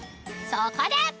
そこで！